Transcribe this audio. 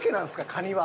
カニは。